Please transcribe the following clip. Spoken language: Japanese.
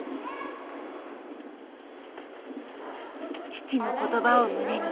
父の言葉を胸に。